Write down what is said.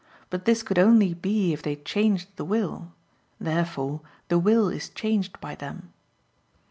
But this could only be if they changed the will. Therefore the will is changed by them.